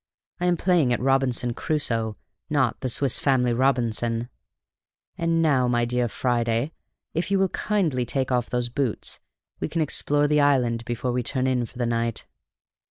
I am playing at 'Robinson Crusoe,' not 'The Swiss Family Robinson.' And now, my dear Friday, if you will kindly take off those boots, we can explore the island before we turn in for the night."